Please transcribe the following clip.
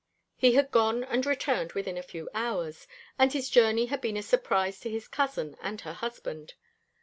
He had gone and returned within a few hours, and his journey had been a surprise to his cousin and her husband.